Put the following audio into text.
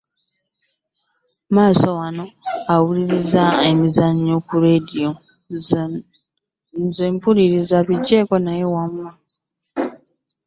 Maaso wuuno awuliriza omuzannyo ku leediyo nze mpuliriza bijiiko na wuuma.